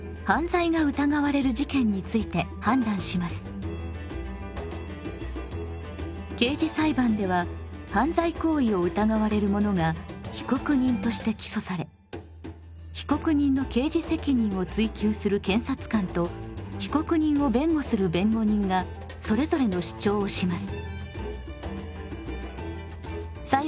一方刑事裁判では犯罪行為を疑われる者が被告人として起訴され被告人の刑事責任を追及する検察官と被告人を弁護する弁護人がそれぞれの主張をします。